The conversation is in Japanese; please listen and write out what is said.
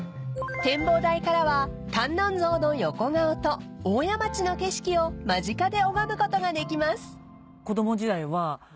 ［展望台からは観音像の横顔と大谷町の景色を間近で拝むことができます］